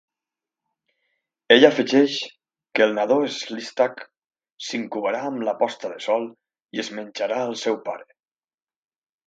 Ell afegeix que el nadó Sleestak s'incubarà amb la posta de sol i es menjarà al seu pare.